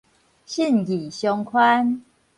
信義商圈